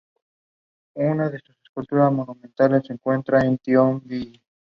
Originariamente, la catedral era mucho más pequeña que el edificio actual.